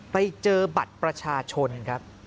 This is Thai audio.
ไปเจอบัตรประชาชนครับ